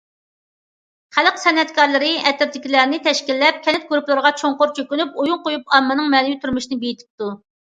خەلق سەنئەتكارلىرى ئەترىتىدىكىلەرنى تەشكىللەپ، كەنت گۇرۇپپىلىرىغا چوڭقۇر چۆكۈپ، ئويۇن قويۇپ، ئاممىنىڭ مەنىۋى تۇرمۇشىنى بېيىتىپتۇ.